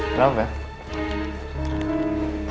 tidak ada yang ngerasa